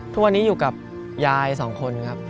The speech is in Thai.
ทุกวันนี้อยู่กับยายสองคนครับ